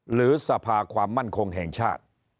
หรือสภาความมั่นคงแห่งชาติ